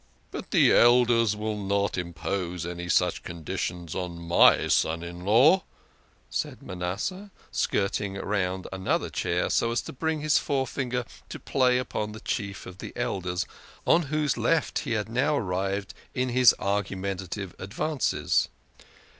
"But the Elders will not impose any such conditions on my son in law," said Manasseh, skirting round another chair so as to bring his forefinger to play upon the Chief of the Elders, on whose left he had now arrived in his argu mentative advances.